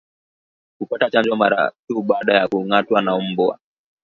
Kupata chanjo mara tu baada ya kungatwa na mbwa